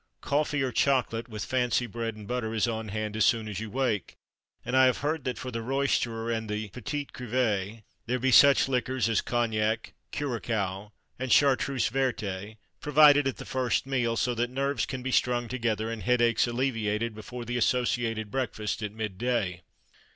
Coffee or chocolate, with fancy bread and butter, is on hand as soon as you wake; and I have heard that for the roisterer and the p'tit crevé there be such liquors as cognac, curaçoa, and chartreuse verte provided at the first meal, so that nerves can be strung together and headaches alleviated before the "associated" breakfast at midday.